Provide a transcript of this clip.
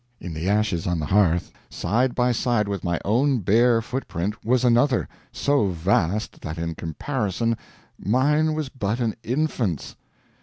In the ashes on the hearth, side by side with my own bare footprint, was another, so vast that in comparison mine was but an infant's!